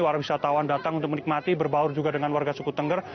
para wisatawan datang untuk menikmati berbaur juga dengan warga suku tengger